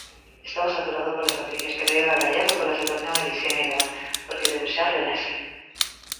Estaba saturado polas noticias, quedei abraiado pola situación e deixeime levar, porque debuxar reláxame.